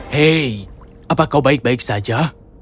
hei apa kau baik baik saja